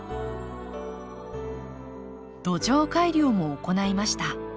土壌改良も行いました。